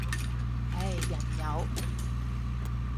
唉，人有